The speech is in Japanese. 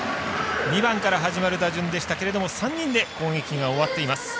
２番から始まる打順でしたけれども３人で攻撃が終わっています。